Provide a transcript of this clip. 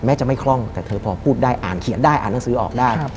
จะไม่คล่องแต่เธอพอพูดได้อ่านเขียนได้อ่านหนังสือออกได้